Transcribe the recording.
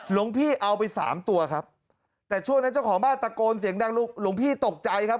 หลวงพี่เอาไปสามตัวครับแต่ช่วงนั้นเจ้าของบ้านตะโกนเสียงดังหลวงพี่ตกใจครับ